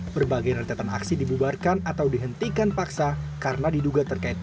berbagai rentetan aksi dibubarkan atau dihentikan paksa karena diduga terkait